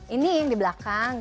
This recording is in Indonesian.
ini yang di belakang